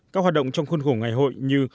các hoạt động trong khuôn khổ ngày hội như